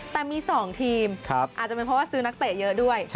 แต่มี๒ทีมอาจจะเป็นเพราะว่าซื้อนักเตะเยอะด้วย